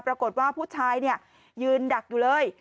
ปรากฏว่าผู้ชายยืนดักอยู่เลย